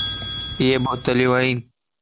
ائي بوتليون ائين.